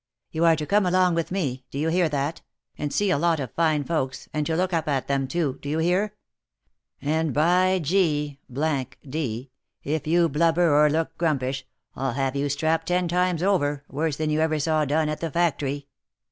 " You are to come along with me, do you hear that ? and see a lot of fine folks, and to look up at them too, do you hear that ; and by G — d if you blubber, or look grumpish, I'll have you strapped ten times over, worse than you ever saw done at the factory.